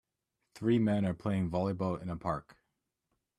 Three men are playing volleyball in a park.